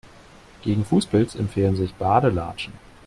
Gegen Fußpilz empfehlen sich Badelatschen.